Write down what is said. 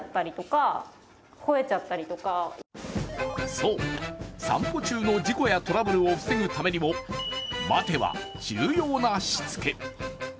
そう、散歩中の事故やトラブルを防ぐためにも待ては重要なしつけ。